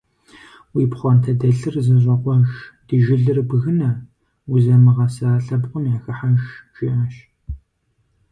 - Уи пхъуантэдэлъыр зэщӀэкъуэж, ди жылэр бгынэ, узымыгъэса лъэпкъым яхыхьэж, - жиӏащ.